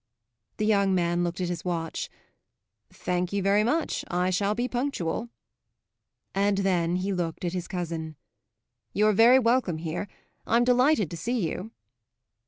The young man looked at his watch. "Thank you very much; I shall be punctual." And then he looked at his cousin. "You're very welcome here. I'm delighted to see you."